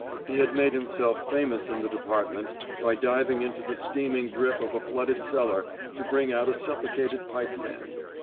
He had made himself famous in the department by diving into the steaming drip of a flooded cellar to bring out a suffocated pipeman.